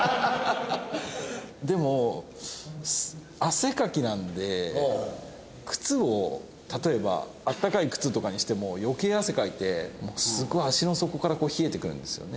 でも汗かきなんで靴を例えばあったかい靴とかにしても余計汗かいてすごい足の底からこう冷えてくるんですよね。